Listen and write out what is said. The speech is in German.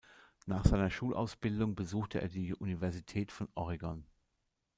Nach seiner Schulausbildung besuchte er die Universität von Oregon.